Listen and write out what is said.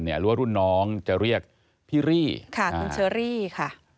หรือว่ารุ่นน้องจะเรียกพี่รี่ค่ะคุณเชอรี่ค่ะ